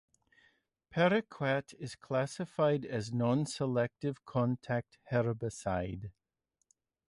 Paraquat is classified as non-selective contact herbicide.